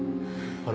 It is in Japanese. あの。